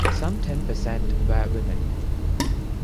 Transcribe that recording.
Some ten percent were women.